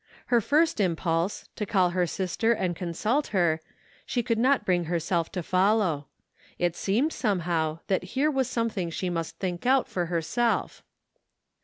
Her first impulse, to call her sister and consult her, she could not bring herself to f ollpw. It seemed, somehow, that here was something she must think out for herself.